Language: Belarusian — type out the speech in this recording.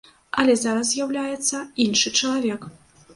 Але зараз з'яўляецца іншы чалавек.